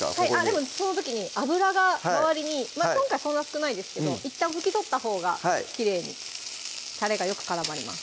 でもその時に油が周りにまぁ今回そんな少ないですけどいったん拭き取ったほうがきれいにたれがよく絡まります